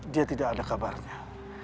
dia tidak ada kabarnya